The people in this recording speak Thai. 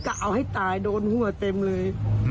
ก็เอาให้ตายโดนหัวเต็มเลย